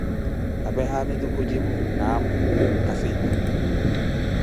apee haamitu khujipu, naamu kasiila.